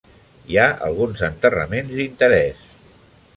Hi ha alguns enterraments d'interès.